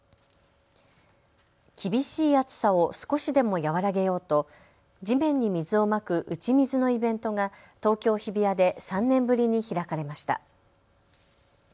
厳しい暑さを少しでも和らげようと地面に水をまく打ち水のイベントが東京日比谷で３年ぶりに開かれました。